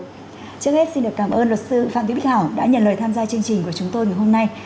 trước hết xin được cảm ơn luật sư phạm thị bích hảo đã nhận lời tham gia chương trình của chúng tôi ngày hôm nay